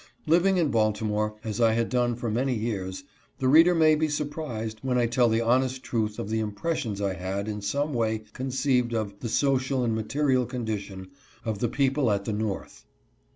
Living in Baltimore as I had done for many years, the reader may be surprised, when I tell the honest truth of the impressions I had in some way conceived of the feocial and material condition of the people at the north.